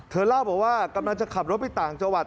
เล่าบอกว่ากำลังจะขับรถไปต่างจังหวัด